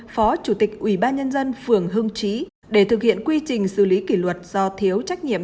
phó chủ tịch ubnd phường hưng trí để thực hiện quy trình xử lý kỷ luật do thiếu trách nhiệm